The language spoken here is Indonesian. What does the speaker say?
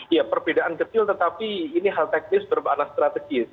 ya perbedaan kecil tetapi ini hal teknis berbana strategis